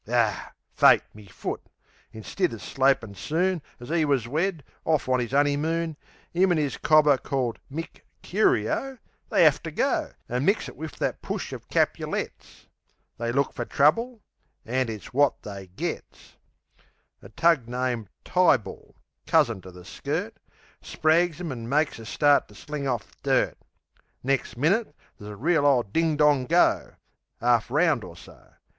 Aw! Fate me foot! Instid of slopin' soon As 'e was wed, off on 'is 'oneymoon, 'Im an' 'is cobber, called Mick Curio, They 'ave to go An' mix it wiv that push o' Capulets. They look fer trouble; an' it's wot they gets. A tug named Tyball (cousin to the skirt) Sprags 'em an' makes a start to sling off dirt. Nex' minnit there's a reel ole ding dong go 'Arf round or so.